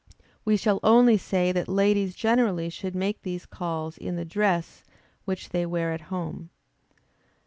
We shall only say that ladies generally should make these calls in the dress which they wear at home.